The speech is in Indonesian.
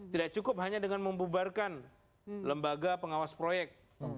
tidak cukup hanya dengan membubarkan lembaga pengawas proyek